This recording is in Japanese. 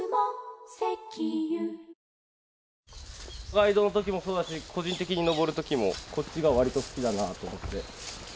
ガイドのときもそうだし個人的に登るときもこっちが割と好きだなと思って。